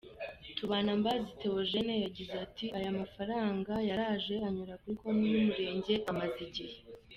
Tubanambazi Theogene yagize ati” Aya mafaranga yaraje anyura kuri konti y’umurenge amaze igihe.